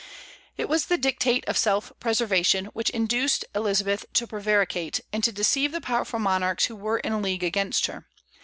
It was the dictate of self preservation which induced Elizabeth to prevaricate, and to deceive the powerful monarchs who were in league against her.